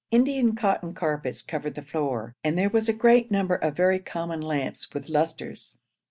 Indian cotton carpets covered the floor, and there was a great number of very common lamps with lustres.